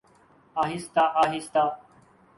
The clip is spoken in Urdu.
آہستہ آہستہ۔